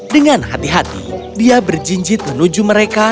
dengan hati hati dia berjinjit menuju mereka